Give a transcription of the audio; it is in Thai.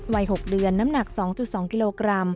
วัย๖เดือนน้ำหนัก๒๒กิโลกรัม